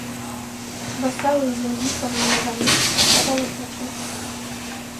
Веселий він їхав на нове місце та балакучий.